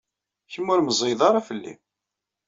Kemm ur meẓẓiyed ara fell-i.